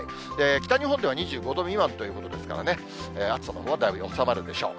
北日本では２５度未満ということですからね、暑さのほうはだいぶ収まるでしょう。